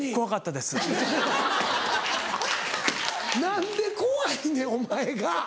何で怖いねんお前が！